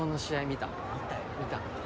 見た？